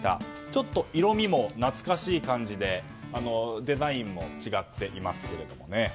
ちょっと色味も懐かしい感じでデザインも違っています。